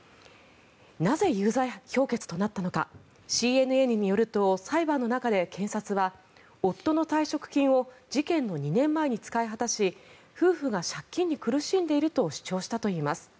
なぜ有罪評決となったのかＣＮＮによると裁判の中で検察は夫の退職金を事件の２年前に使い果たし夫婦が借金に苦しんでいると主張したといいます。